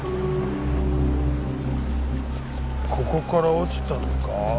ここから落ちたのか。